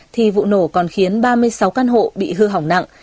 thì vụ nổ còn khiến ba mươi sáu căn hộ bị hư hỏng nặng